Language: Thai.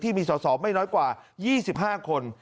มีสอสอไม่น้อยกว่า๒๕คน